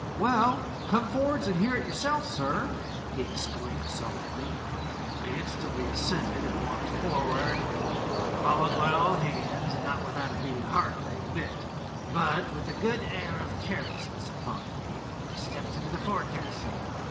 ' Well, come forrards and hear it yourself, sir,' he exclaimed sullenly. " I instantly assented, and walked forward, followed by all hands ; and not without a beating heart, I admit, 266 CAN THESE BUY BONES LIVEf but 'with a good air of carelessness upon me, I stepped into the forecastle.